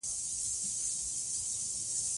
افغانستان د سنگ مرمر په اړه مشهور تاریخی روایتونه لري.